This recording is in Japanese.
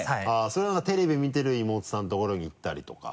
そういうテレビ見てる妹さんのところに行ったりとか。